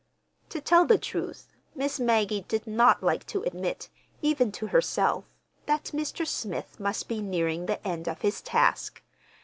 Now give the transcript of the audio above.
To tell the truth, Miss Maggie did not like to admit, even to herself, that Mr. Smith must be nearing the end of his task.